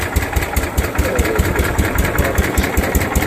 Nerra ddehn-nneɣ ɣer tusnakt.